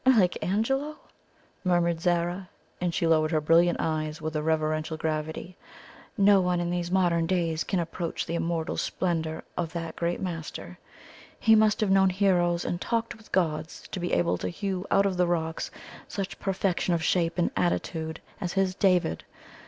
"Like Angelo?" murmured Zara; and she lowered her brilliant eyes with a reverential gravity. "No one in these modern days can approach the immortal splendour of that great master. He must have known heroes and talked with gods to be able to hew out of the rocks such perfection of shape and attitude as his 'David.'